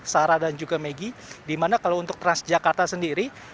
sarah dan juga maggie di mana kalau untuk transjakarta sendiri